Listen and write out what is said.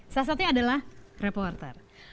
sasatnya adalah reporter